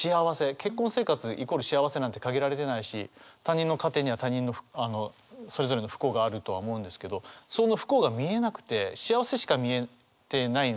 結婚生活イコール幸せなんて限られてないし他人の家庭にはそれぞれの不幸があるとは思うんですけどその不幸が見えなくて幸せしか見えてないんですよね。